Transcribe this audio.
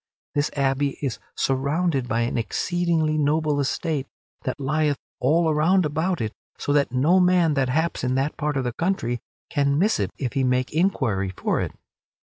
This abbey is surrounded by an exceedingly noble estate that lieth all around about it so that no man that haps in that part of the country can miss it if he make inquiry for it.